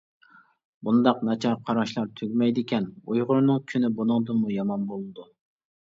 بۇنداق ناچار قاراشلار تۈگىمەيدىكەن، ئۇيغۇرنىڭ كۈنى بۇنىڭدىنمۇ يامان بولىدۇ!